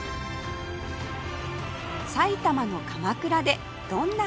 埼玉の鎌倉でどんな発見が？